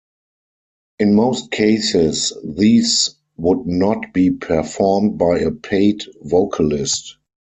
In most cases these would not be performed by a paid vocalist.